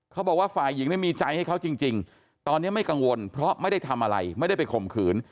เขาบอกว่าฝ่ายหญิงมีใจให้เขาจริงตอนนี้ไม่กังวลเพราะไม่ได้ทำอะไรไม่ได้ไปข่มขืน